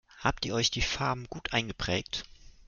Habt ihr euch die Farben gut eingeprägt?